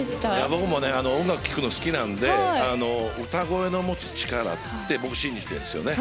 僕も音楽聴くの好きなので歌声の持つ力って僕、信じてるんですよね。